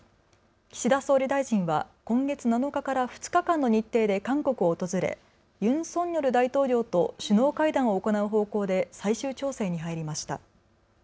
岸田総理大臣は今月７日から２日間の日程で韓国を訪れユン・ソンニョル大統領と首脳会談を行う方向で最終調整に入りました。